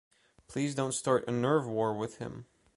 Please don't start a nerve war with him.